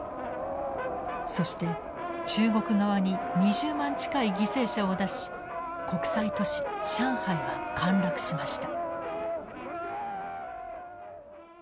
そして中国側に２０万近い犠牲者を出し国際都市上海は陥落しました。